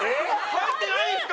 入ってないんですか？